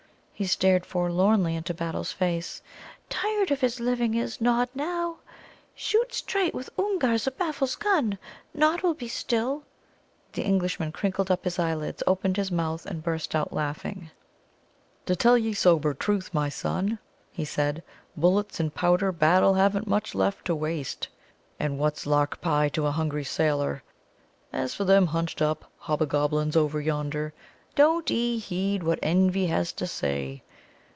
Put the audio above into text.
He stared forlornly into Battle's face. "Tired of his living is Nod now. Shoot straight with Oomgar Zbaffle's gun. Nod will be still." The Englishman crinkled up his eyelids, opened his mouth, and burst out laughing. "To tell ye sober truth, my son," he said, "bullets and powder Battle haven't much left to waste. And what's lark pie to a hungry sailor! As for them hunched up hobbagoblins over yonder, don't 'ee heed what envy has to say.